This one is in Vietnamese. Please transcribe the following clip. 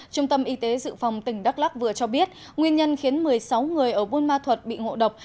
trung tâm y tế dự phòng tỉnh đắk lắc vừa cho biết nguyên nhân khiến một mươi sáu người ở buôn ma thuật bị ngộ độc